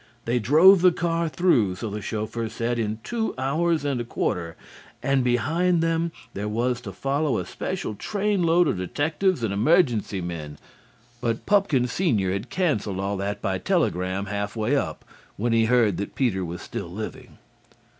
They drove the car through, so the chauffeur said, in two hours and a quarter, and behind them there was to follow a special trainload of detectives and emergency men, but Pupkin senior had cancelled all that by telegram half way up when he heard that Peter was still living.